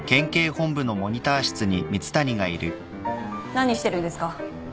何してるんですか？